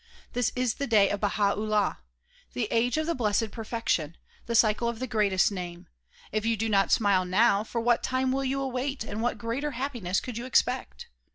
— TJiis is the day of Baha 'Ullah; the age of the Blessed Perfection; the cycle of the Greatest Name. If you do not smile now, for what time ivill you await and what greater happiness coidd you expect?